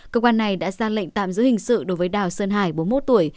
cơ quan này đã ra lệnh tạm giữ hình sự đối với đào sơn hải bốn mươi một tuổi